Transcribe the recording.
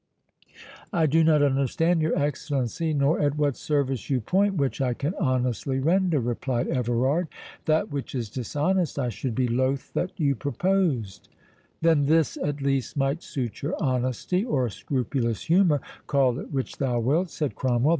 "I do not understand your Excellency, nor at what service you point, which I can honestly render," replied Everard. "That which is dishonest I should be loth that you proposed." "Then this at least might suit your honesty, or scrupulous humour, call it which thou wilt," said Cromwell.